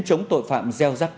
chống tội phạm gieo rắc